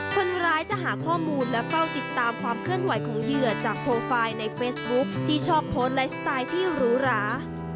คนร้ายจะหาข้อมูลและเฝ้าติดตามความเคลื่อนไหวของเหยื่อจากโปรไฟล์ในเฟซบุ๊คที่ชอบโพสต์ไลฟ์สไตล์ที่หรูหรา